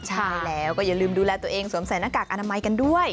ใช่แล้วก็อย่าลืมดูแลตัวเองสวมใส่หน้ากากอนามัยกันด้วย